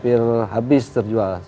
nah itu sudah habis terjual meskipun ya